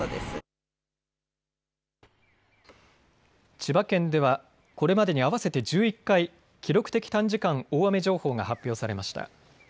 千葉県ではこれまでに合わせて１１回、記録的短時間大雨情報が発表されました。